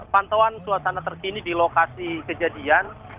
pantauan suasana terkini di lokasi kejadian